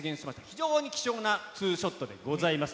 非常に貴重なツーショットでございます。